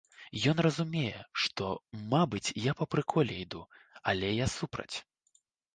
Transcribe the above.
Ён разумее, што, мабыць, я па прыколе іду, але я супраць.